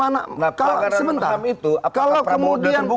nah pelanggaran ham itu apakah pramu dan buki